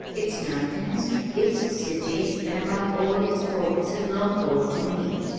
Its mountains, its cities and above all its poets had long called to me.